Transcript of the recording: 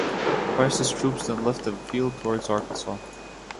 Price's troops then left the field, towards Arkansas.